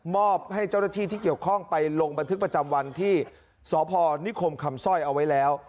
อบให้เจ้าหน้าที่ที่เกี่ยวข้องไปลงบันทึกประจำวันที่สพนิคมคำสร้อยเอาไว้แล้ว